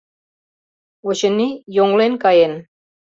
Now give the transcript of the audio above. Очыни, йоҥлен каен.